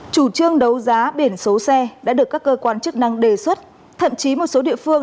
chủ trương đấu giá biển số xe đã được các cơ quan chức năng đề xuất thậm chí một số địa phương